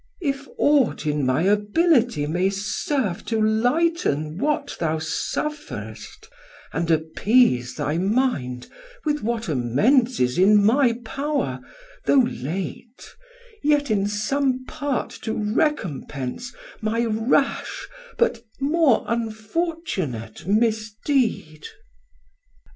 If aught in my ability may serve To light'n what thou suffer'st, and appease Thy mind with what amends is in my power, Though late, yet in some part to recompense My rash but more unfortunate misdeed.